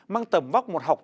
mang tầm vóc một học tập